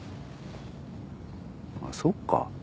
あっそっか。